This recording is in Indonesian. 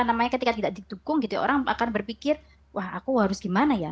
ini kan ketika tidak didukung orang akan berpikir wah aku harus gimana ya